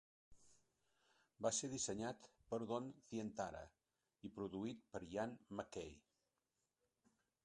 Va ser dissenyat per Don Zientara i produït per Ian MacKaye.